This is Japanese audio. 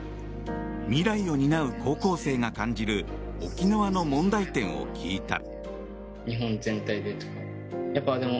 未来を担う高校生が感じる沖縄の問題点を聞いた。